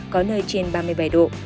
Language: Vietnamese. có nơi trên ba mươi bảy độ